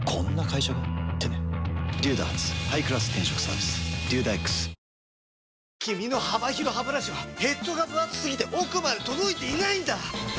リブネスタウンへ君の幅広ハブラシはヘッドがぶ厚すぎて奥まで届いていないんだ！